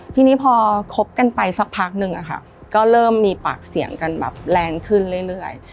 ทีนี้พอคบกันไปสักพักนึงอะค่ะก็เริ่มมีปากเสียงกันแบบแรงขึ้นเรื่อย